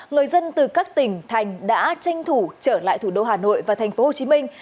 người dân từ các tỉnh thành đã tranh thủ trở lại thủ đô hà nội và thành phố hồ chí minh